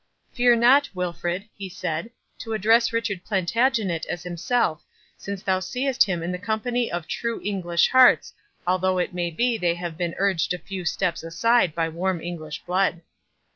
"Fear not, Wilfred," he said, "to address Richard Plantagenet as himself, since thou seest him in the company of true English hearts, although it may be they have been urged a few steps aside by warm English blood."